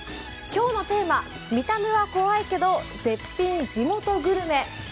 今日のテーマ、見た目は怖いけど絶品地元グルメ。